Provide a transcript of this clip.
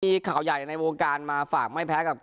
มีข่าวใหญ่ในวงการมาฝากไม่แพ้กับ